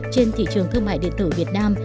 trên thị trường thương mại điện tử việt nam